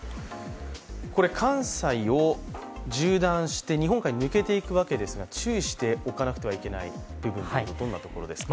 関西を縦断して日本海に抜けていくわけですが注意しておかなければいけない部分はどんなところですか。